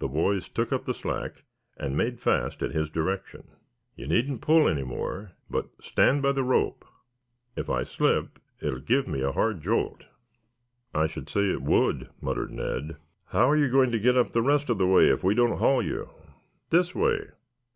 The boys took up the slack and made fast at his direction. "You needn't pull any more, but stand by the rope. If I slip it will give me a hard jolt." "I should say it would," muttered Ned. "How are you going to get up the rest of the way if we don't haul you?" "This way."